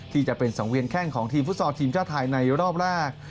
ที่จะเป็นสังเวียนแข้งของทีมฟุตซอลทีมชาติไทยในรอบแรก